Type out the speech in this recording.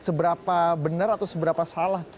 seberapa benar atau seberapa salah